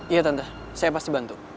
iya tante saya pasti bantu